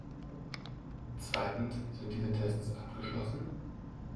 Zweitens, sind diese Tests abgeschlossen?